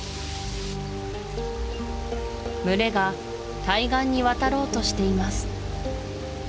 群れが対岸に渡ろうとしています